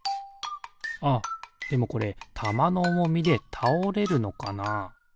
あっでもこれたまのおもみでたおれるのかな？